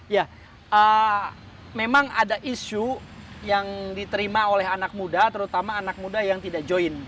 ya memang ada isu yang diterima oleh anak muda terutama anak muda yang tidak join